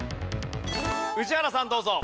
宇治原さんどうぞ。